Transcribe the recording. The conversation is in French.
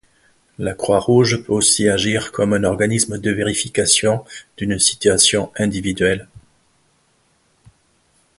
La Croix-Rouge peut aussi agir comme un organisme de vérification d'une situation individuelle.